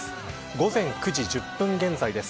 午前９時１０分現在です。